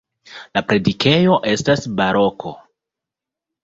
La predikejo estas baroko.